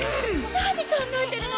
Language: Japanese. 何考えてるの！